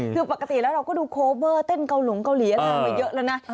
คือปกติแล้วเราก็ดูโคเวอร์เต้นเกาหลงเกาหลีอะไรมาเยอะแล้วนะ